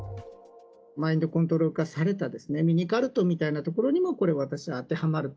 マインドコントロール化されたミニカルトみたいなところにも、これ私、当てはまると。